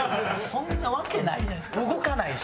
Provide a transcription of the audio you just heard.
そんなわけないじゃないですか動かないし。